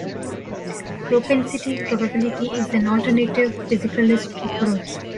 Propensity probability is an alternative physicalist approach.